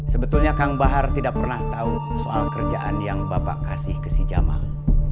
sebetulnya kang bahar tidak pernah tahu soal kerjaan yang bapak kasih ke sijaman